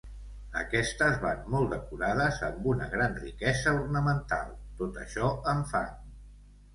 Aquestes van molt decorades amb una gran riquesa ornamental, tot això amb fang.